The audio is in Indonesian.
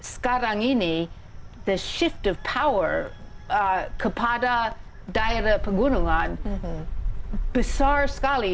sekarang ini kekuatan kekuatan kepada daerah pegunungan besar sekali